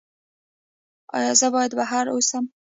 ایا زه باید بهر اوسم؟